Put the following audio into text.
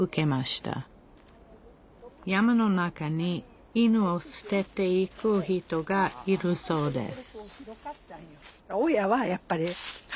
山の中に犬をすてていく人がいるそうです